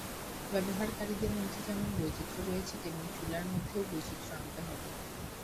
ব্যবহারকারীদের মধ্যে যেমন বৈচিত্র্য রয়েছে, তেমনি চুলার মধ্যেও বৈচিত্র্য আনতে হবে।